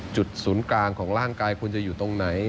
จุดศูนย์กลางของร่างกายคุณจะอยู่ตรงไหน